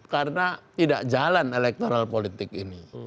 karena tidak jalan electoral politik ini